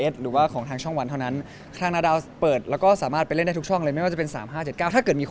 ส่วนตัวเรายังอยู่กับนาดาวอีกนานเลยใช่ไหม